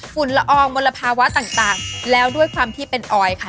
ละอองมลภาวะต่างแล้วด้วยความที่เป็นออยค่ะ